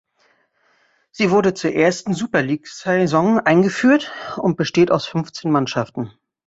Sie wurde zur ersten Super-League-Saison eingeführt und besteht aus fünfzehn Mannschaften.